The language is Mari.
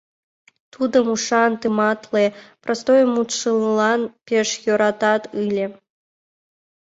Тудым ушан, тыматле, простой мутшылан пеш йӧратат ыле.